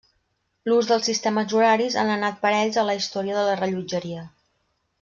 L'ús dels sistemes horaris han anat parells a la història de la rellotgeria.